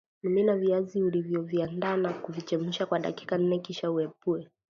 Mimina viazi ulivoviandaa na kuvichemsha kwa dakika nne kisha uepue